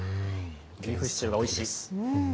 ビーフシチューがおいしいです。